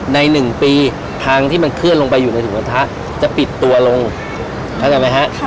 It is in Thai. ๑ปีทางที่มันเคลื่อนลงไปอยู่ในถุงกระทะจะปิดตัวลงเข้าใจไหมฮะ